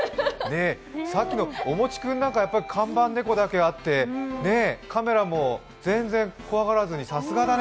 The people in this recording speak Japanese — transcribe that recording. さっきのおもちくんなんかは看板猫だけあって、カメラも全然怖がらずにさすがだね。